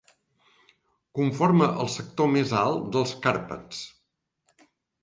Conforma el sector més alt dels Carpats.